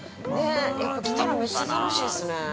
◆来たら、めっちゃ楽しいですね。